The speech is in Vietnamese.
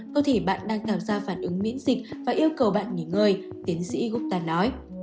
cơ thể bạn đang cảm giác phản ứng miễn dịch và yêu cầu bạn nghỉ ngơi tiến sĩ gupta nói